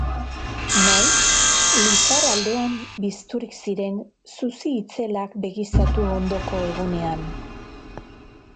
Noiz, Lizard aldean bizturik ziren zuzi itzelak begiztatu ondoko egunean.